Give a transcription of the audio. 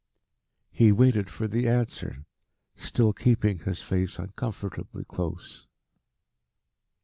He waited for the answer, still keeping his face uncomfortably close.